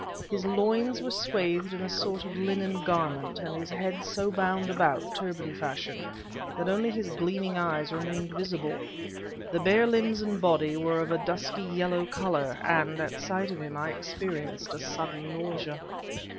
His loins were swathed in a sort of linen garment, and his head so bound about, turban fashion, that only his gleaming eyes remained visible. The bare limbs and body were of a dusky yellow color, and, at sight of him, I experienced a sudden nausea.